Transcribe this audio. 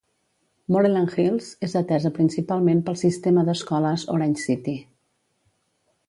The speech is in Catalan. Moreland Hills és atesa principalment pel Sistema d'Escoles Orange City.